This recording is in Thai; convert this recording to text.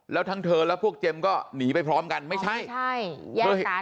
แล้วทั้งเธอและพวกเจมส์ก็หนีไปพร้อมกันไม่ใช่ใช่